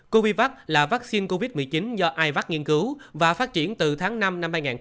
covix là vaccine covid một mươi chín do ivac nghiên cứu và phát triển từ tháng năm năm hai nghìn hai mươi